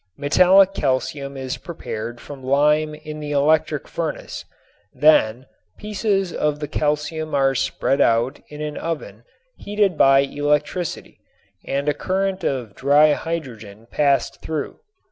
Metallic calcium is prepared from lime in the electric furnace. Then pieces of the calcium are spread out in an oven heated by electricity and a current of dry hydrogen passed through.